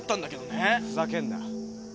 ふざけんな。